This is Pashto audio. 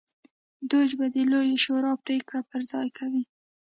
دوج به د لویې شورا پرېکړې پر ځای کوي.